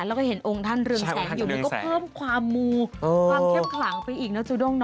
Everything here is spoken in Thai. แล้วเห็นองค์ท่านเรื่องแสงนี่ก็เพิ่มความมูก์ความเข้ามคลังไปอีกนะจุดองบอกนะ